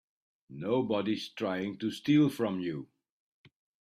Nobody's trying to steal from you.